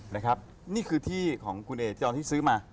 นะครับนี่คือที่ของคุณเองที่ซื้อมา